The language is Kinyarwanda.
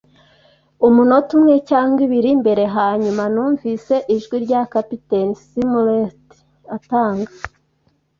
umunota umwe cyangwa ibiri mbere. Hanyuma numvise ijwi rya Kapiteni Smollett atanga